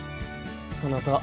そなた